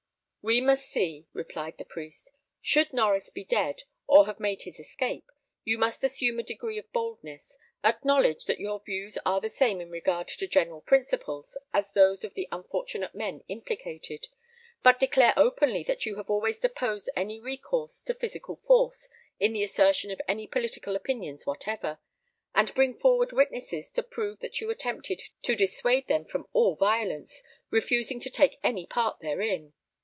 "We must see," replied the priest. "Should Norries be dead, or have made his escape, you must assume a degree of boldness; acknowledge that your views are the same in regard to general principles as those of the unfortunate men implicated; but declare openly that you have always opposed any recourse to physical force in the assertion of any political opinions whatever, and bring forward witnesses to prove that you attempted to dissuade them from all violence, refusing to take any part therein.